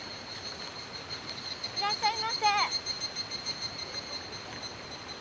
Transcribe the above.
いらっしゃいませ。